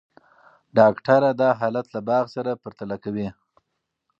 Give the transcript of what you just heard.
ډاکټره دا حالت له باغ سره پرتله کوي.